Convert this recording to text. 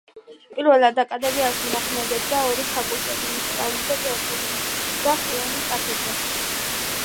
თავდაპირველად აკადემიაში მოქმედებდა ორი ფაკულტეტი: მუსიკალური და თეატრალური და ხუთი მრავალპროფილიანი კათედრა.